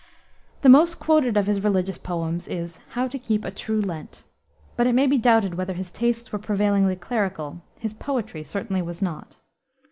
The most quoted of his religious poems is, How to Keep a True Lent. But it may be doubted whether his tastes were prevailingly clerical; his poetry certainly was not.